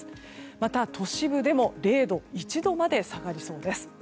また、都市部でも０度、１度まで下がりそうです。